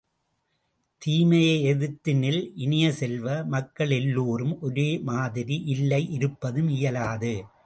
தீமையை எதிர்த்து நில் இனிய செல்வ, மக்கள் எல்லோரும் ஒரே மாதிரி இல்லை இருப்பதும் இயலாது.